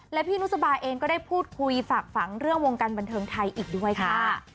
และพี่นุสบายเองก็ได้พูดคุยฝากฝังเรื่องวงการบันเทิงไทยอีกด้วยค่ะ